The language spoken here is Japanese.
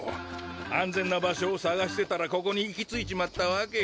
安全な場所を探してたらここに行き着いちまったわけよ。